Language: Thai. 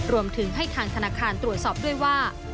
รวมถึงให้ทางธนาคารตรวจสอบด้วยว่า